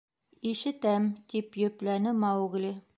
— Ишетәм, — тип йөпләне Маугли.